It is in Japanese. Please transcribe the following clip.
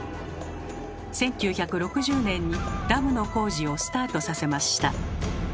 １９６０年にダムの工事をスタートさせました。